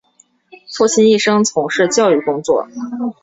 父亲一生从事教育工作。